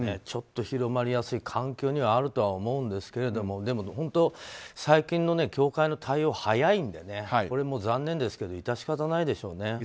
ちょっと広まりやすい環境にはあると思うんですがでも本当、最近の協会の対応は早いのでこれも残念ですけど致し方ないでしょうね。